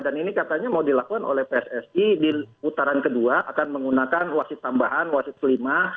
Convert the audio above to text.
dan ini katanya mau dilakukan oleh pssi di putaran kedua akan menggunakan wasit tambahan wasit kelima